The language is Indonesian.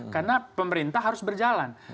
karena pemerintah harus berjalan